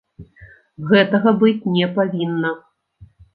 Гэтага быць не павінна!